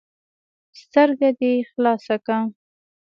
ـ سترګه دې خلاصه که.